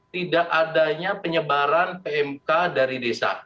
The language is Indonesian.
tidak adanya penyebaran pmk dari desa